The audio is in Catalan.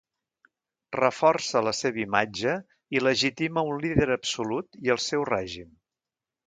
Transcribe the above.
Reforça la seva imatge i legitima un líder absolut i el seu règim.